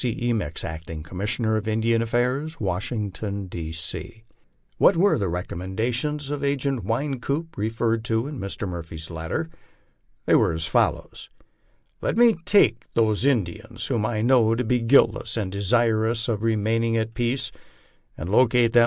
C. E. Mix, Acting Commissioner of Indian Affairs, Washington, D. C. What were the recommendations of Agent Wynkoop referred to in Mr. Murphy's letter? They were as follows: "Let me take those Indians whom I know to be guiltless and desirous of remaining at peace, and locate them 108 LIFE ON THE PLAINS.